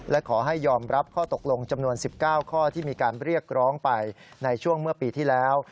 และขอให้ยอมรับข้อตกลงจำนวน๑๙ข้อที่มีการเรียกร้องไปในช่วงเมื่อปีที่แล้ว